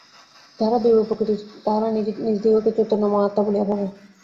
যাহারা দৈব প্রকৃতির তাহারা নিজদিগকে চৈতন্যময় আত্মা বলিয়া ভাবে।